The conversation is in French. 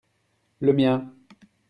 le mien.